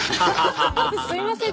すいません。